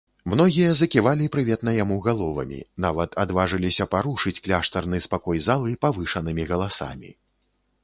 Многія заківалі прыветна яму галовамі, нават адважыліся парушыць кляштарны спакой залы павышанымі галасамі.